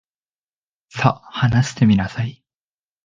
さ、話してみなさい。